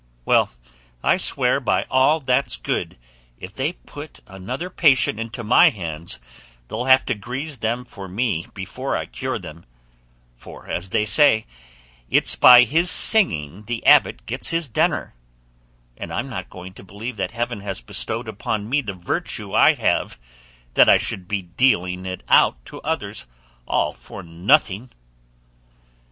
Well, I swear by all that's good if they put another patient into my hands, they'll have to grease them for me before I cure him; for, as they say, 'it's by his singing the abbot gets his dinner,' and I'm not going to believe that heaven has bestowed upon me the virtue I have, that I should be dealing it out to others all for nothing."